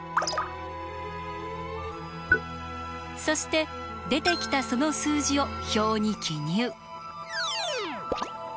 そして出てきたその数字を表に記入。